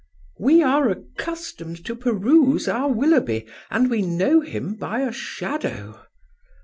" We are accustomed to peruse our Willoughby, and we know him by a shadow."